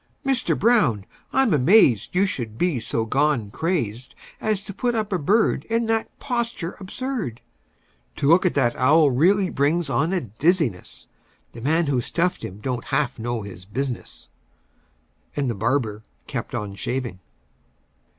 Mister Brown, I'm amazed You should be so gone crazed As to put up a bird In that posture absurd! To look at that owl really brings on a dizziness; The man who stuffed him don't half know his business!" And the barber kept on shaving.